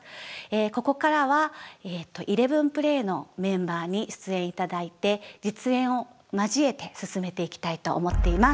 ここからはＥＬＥＶＥＮＰＬＡＹのメンバーに出演頂いて実演を交えて進めていきたいと思っています。